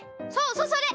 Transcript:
そうそれ！